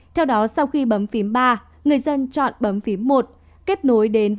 theo đó sau khi bấm phím ba người dân chọn bấm phím một